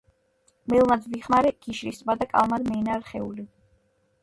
მელნად ვიხმარე გიშრის ტბა და კალმად მე ნა რხეული,